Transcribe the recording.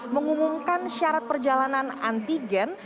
mengumumkan syarat perjalanan antigen